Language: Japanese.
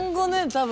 多分。